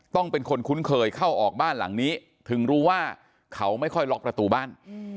ต้องเป็นคนคุ้นเคยเข้าออกบ้านหลังนี้ถึงรู้ว่าเขาไม่ค่อยล็อกประตูบ้าน